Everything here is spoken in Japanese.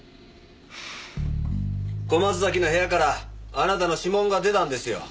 小松崎の部屋からあなたの指紋が出たんですよ。